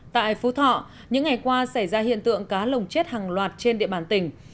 tại phú thọ những ngày qua xảy ra hiện tượng cá lồng chết hàng loạt trên địa bàn tỉnh